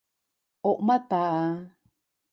惡乜霸啊？